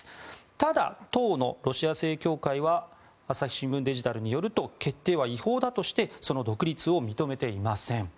ただ、当のロシア正教会は朝日新聞デジタルによると決定は違法だとしてその独立を認めていません。